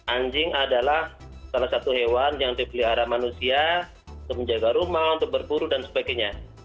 anjing adalah salah satu hewan yang dipelihara manusia untuk menjaga rumah untuk berburu dan sebagainya